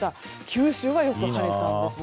九州はよく晴れたんです。